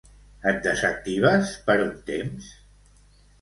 Et desactives per un temps?